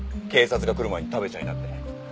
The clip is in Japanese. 警察が来る前に食べちゃいなって。